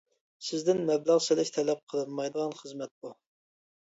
سىزدىن مەبلەغ سېلىش تەلەپ قىلىنمايدىغان خىزمەت بۇ!